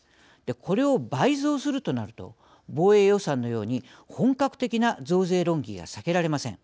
これを倍増するとなると防衛予算のように本格的な増税論議が避けられません。